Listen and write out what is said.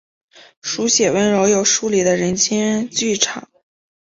书写温柔又疏离的人间剧场。